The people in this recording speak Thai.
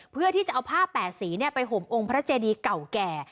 เพื่อที่จะเอาผ้าแปดสีไปห่มองค์พระเจดีเก่าแก่